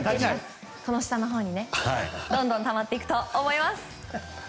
下のほうにどんどんたまっていくと思います。